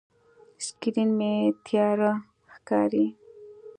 سکرین مې تیاره ښکاري.